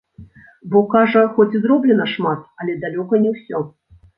Бо, кажа, хоць і зроблена шмат, але далёка не ўсё.